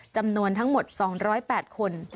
จำนวนทั้งหมด๒๐๘คน